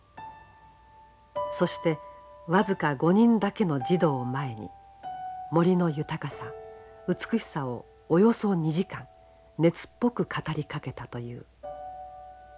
そして僅か５人だけの児童を前に森の豊かさ美しさをおよそ２時間熱っぽく語りかけたという。